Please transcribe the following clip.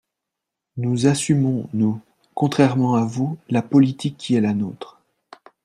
Nous assumons, nous, contrairement à vous, la politique qui est la nôtre.